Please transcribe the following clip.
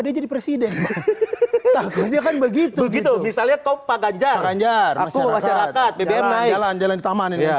dia jadi presiden takutnya kan begitu begitu misalnya kau pak ganjar aku masyarakat bbm naik